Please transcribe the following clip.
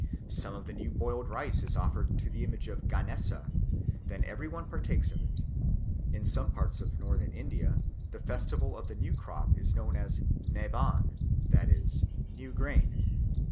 Some of the new boiled rice is offered to the image of Ganesa; then every one partakes of it. In some parts of Northern India the festival of the new crop is known as Navan, that is, "new grain."